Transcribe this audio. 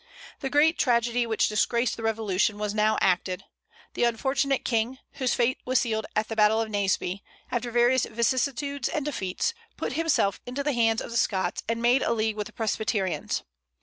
The great tragedy which disgraced the revolution was now acted. The unfortunate King, whose fate was sealed at the battle of Naseby, after various vicissitudes and defeats, put himself into the hands of the Scots and made a league with the Presbyterians.